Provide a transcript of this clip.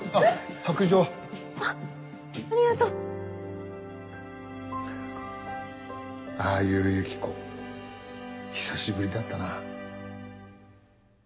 白杖あっありがとうああいうユキコ久しぶりだったな。